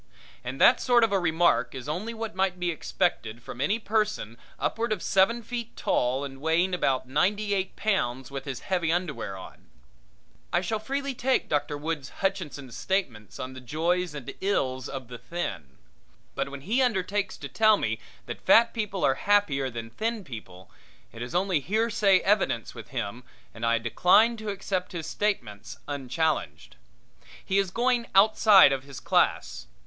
And that sort of a remark is only what might be expected from any person upward of seven feet tall and weighing about ninety eight pounds with his heavy underwear on. I shall freely take Dr. Woods Hutchinson's statements on the joys and ills of the thin. But when he undertakes to tell me that fat people are happier than thin people, it is only hearsay evidence with him and decline to accept his statements unchallenged. He is going outside of his class.